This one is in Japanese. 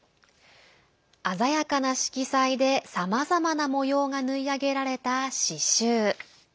鮮やかな色彩でさまざまな模様が縫い上げられた刺しゅう。